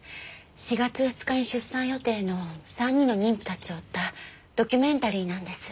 ４月２日に出産予定の３人の妊婦たちを追ったドキュメンタリーなんです。